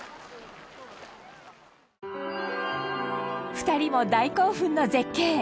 ２人も大興奮の絶景。